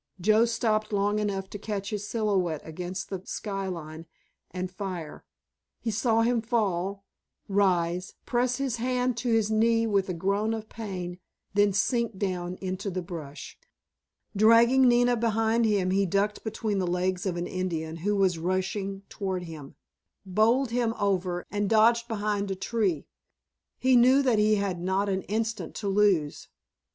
Joe stopped long enough to catch his silhouette against the sky line, and fire. He saw him fall, rise, press his hand to his knee with a groan of pain, then sink down into the brush. Dragging Nina behind him he ducked between the legs of an Indian who was rushing toward him, bowled him over, and dodged behind a tree. He knew that he had not an instant to lose.